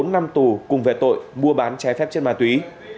bốn năm tù cùng về tội mua bán trái phép chất ma túy